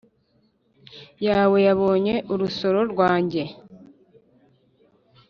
yawe yabonye urusoro rwanjye